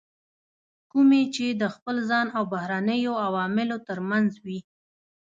کومې چې د خپل ځان او بهرنیو عواملو ترمنځ وي.